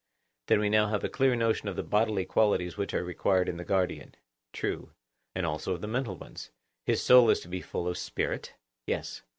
Then now we have a clear notion of the bodily qualities which are required in the guardian. True. And also of the mental ones; his soul is to be full of spirit? Yes.